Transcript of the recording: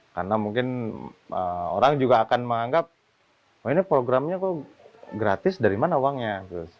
karena mungkin orang juga akan menganggap oh ini programnya kok gratis dari mana uangnya